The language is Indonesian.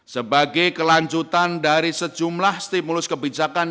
sebagai kelanjutan dari sejumlah stimulus kebijakan